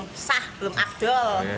masa belum afdol